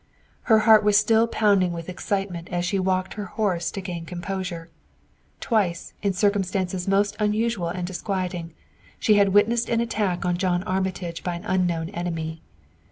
Her heart was still pounding with excitement and she walked her horse to gain composure. Twice, in circumstances most unusual and disquieting, she had witnessed an attack on John Armitage by an unknown enemy.